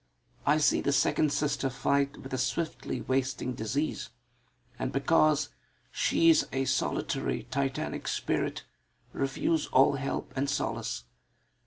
I see the second sister fight with a swiftly wasting disease; and, because she is a solitary Titanic spirit, refuse all help and solace.